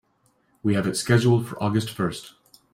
We have it scheduled for August first.